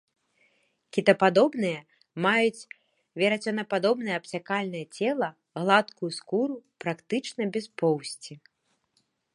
Кітападобныя маюць верацёнападобнае абцякальнае цела, гладкую скуру, практычна без поўсці.